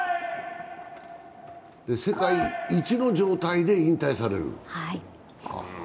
世界一の状態で引退される。